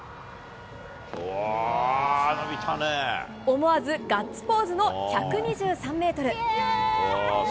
思わずガッツポーズの１２３メートル。